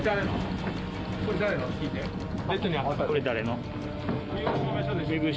これ誰の？